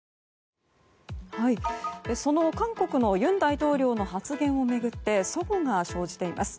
その韓国の尹大統領の発言を巡って齟齬が生じています。